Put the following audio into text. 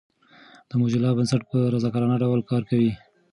د موزیلا بنسټ په رضاکارانه ډول کار کوي.